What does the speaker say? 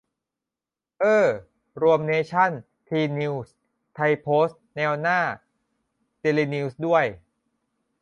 เอ้อ รวมเนชั่น ทีนิวส์ ไทยโพสต์ แนวหน้า เดลินิวส์ ด้วย